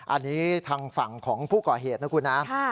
อันนี้ทางฝั่งของผู้ก่อเหตุนะคุณนะ